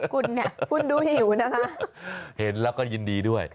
คุณเนี่ยคุณดูหิวนะคะเห็นแล้วก็ยินดีด้วย